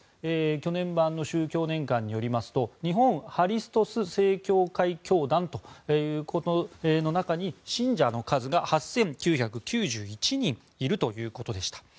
去年版の宗教年鑑によりますと日本ハリストス正教会教団の中に信者の数が８９９１人いるということでした。